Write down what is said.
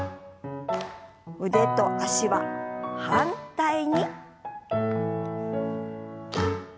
腕と脚は反対に。